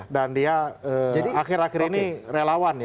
dan dia akhir akhir ini relawan ya